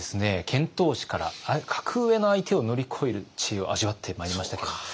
遣唐使から格上の相手を乗り越える知恵を味わってまいりましたけれども。